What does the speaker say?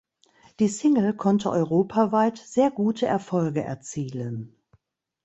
Die Single konnte europaweit sehr gute Erfolge erzielen.